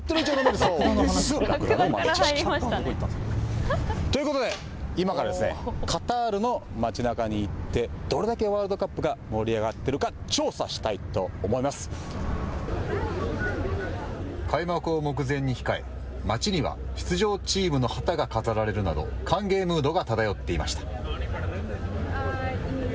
本気を出したらということで、今からカタールの町なかに行ってどれだけワールドカップが盛り上がっているか、開幕を目前に控え街には出場チームの旗が飾られるなど、歓迎ムードが漂っていました。